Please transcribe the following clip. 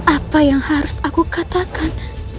apa yang harus aku katakan